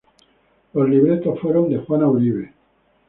Los libretos fueron de Juana Uribe.